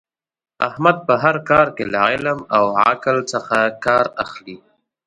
احمد په هر کار کې له علم او عقل څخه کار اخلي.